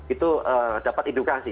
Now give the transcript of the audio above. itu dapat edukasi